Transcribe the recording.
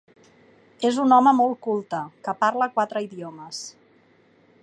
És un home molt culte que parla quatre idiomes.